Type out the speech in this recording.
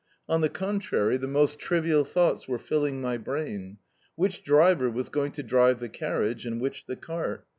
On the contrary, the most trivial thoughts were filling my brain. Which driver was going to drive the carriage and which the cart?